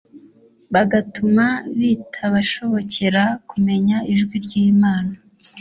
bagatuma bitabashobokera kumenya ijwi ry’Imana